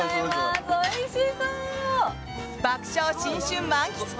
爆笑新春満喫旅。